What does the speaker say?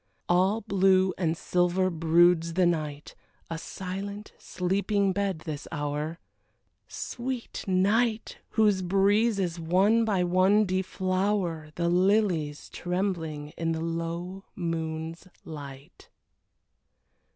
All blue and silver broods the night, A silent, sleeping bed, this hour Sweet night! whose breezes one by one deflower The lilies trembling in the low moon's light.